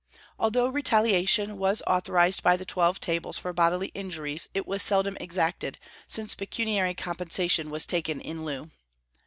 Although retaliation was authorized by the Twelve Tables for bodily injuries, it was seldom exacted, since pecuniary compensation was taken in lieu.